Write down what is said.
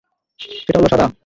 সেটা হলো সাদা।